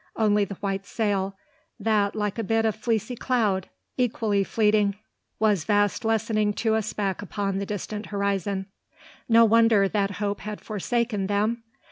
Only the white sail, that like a bit of fleecy cloud, equally fleeting, was fast lessening to a speck upon the distant horizon. No wonder that hope had forsaken them!